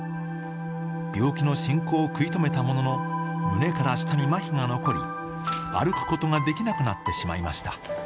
病気の進行を食い止めたものの、胸から下にまひが残り、歩くことができなくなってしまいました。